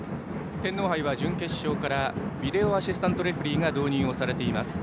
天皇杯は準決勝からビデオアシスタントレフェリーが導入されています。